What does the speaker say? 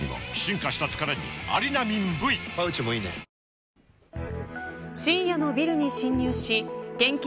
「ビオレ」深夜のビルに侵入し現金